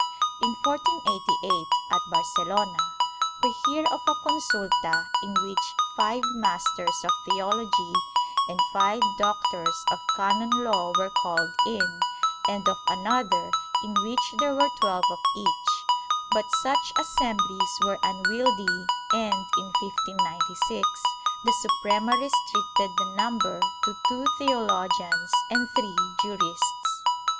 In 1488, at Barcelona, we hear of a consulta in which five masters of theology and five doctors of canon law were called in, and of another in which there were twelve of each, but such assemblies were unwieldy and, in 1596, the Suprema restricted the number to two theologians and three jurists.